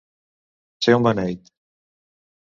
Ser un beneit.